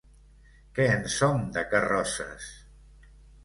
Que en som, de carrosses!